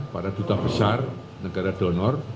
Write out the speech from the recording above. para duta besar negara donor